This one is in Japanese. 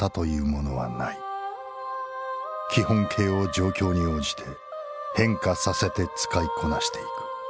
基本型を状況に応じて変化させて使いこなして行く。